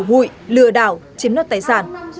hội lừa đảo chiếm đoạt tài sản